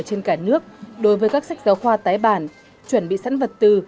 trên cả nước đối với các sách giáo khoa tái bản chuẩn bị sẵn vật tư